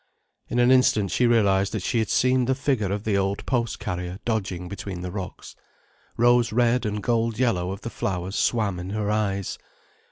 In an instant she realized that she had seen the figure of the old post carrier dodging between the rocks. Rose red and gold yellow of the flowers swam in her eyes.